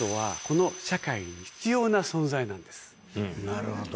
なるほど。